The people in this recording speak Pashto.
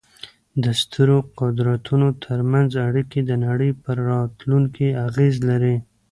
د سترو قدرتونو ترمنځ اړیکې د نړۍ پر راتلونکې اغېز لري.